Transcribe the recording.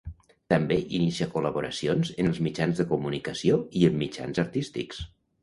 També inicia col·laboracions en els mitjans de comunicació i en mitjans artístics.